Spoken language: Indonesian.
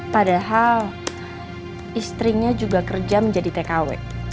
padahal istrinya juga kerja menjadi tkw